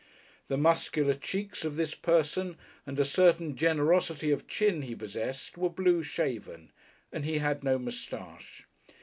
The muscular cheeks of this person and a certain generosity of chin he possessed were blue shaven and he had no moustache.